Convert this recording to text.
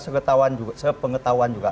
segetawan juga sepengetahuan juga